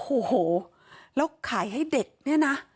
โอ้โหแล้วขายให้เด็กเนี่ยนะ